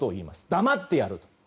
黙ってやると。